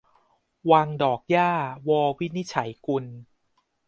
วังดอกหญ้า - ว วินิจฉัยกุล